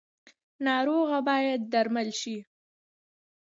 ناروغه باید درمل شي